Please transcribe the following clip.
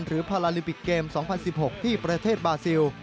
พาราลิมปิกเกม๒๐๑๖ที่ประเทศบาซิล